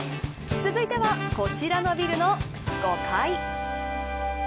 続いてはこちらのビルの５階。